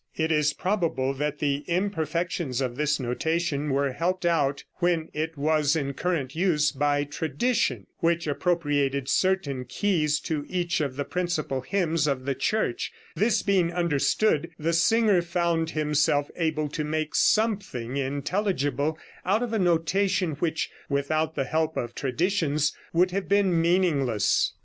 It is probable that the imperfections of this notation were helped out, when it was in current use, by tradition, which appropriated certain keys to each of the principal hymns of the Church; this being understood, the singer found himself able to make something intelligible out of a notation which, without the help of traditions, would have been meaningless.